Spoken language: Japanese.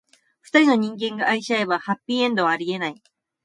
二人の人間が愛し合えば、ハッピーエンドはありえない。